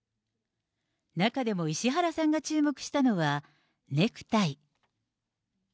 中でも石原さんが注目したのは、ネクタイ。